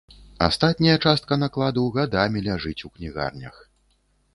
Астатняя частка накладу гадамі ляжыць у кнігарнях.